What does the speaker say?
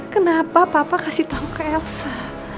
kenapa papa kasih tahu ke elsa